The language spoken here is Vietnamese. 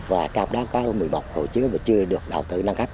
và trong đó có một mươi một hồ chứa mà chưa được đạo tự nâng cấp